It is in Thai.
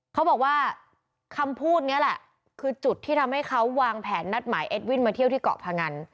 เขาบอกว่าคำพูดนี้แหละคือจุดที่ทำให้เขาวางแผนนัดหมายเอ็ดวินมาเที่ยวที่เกาะพงัน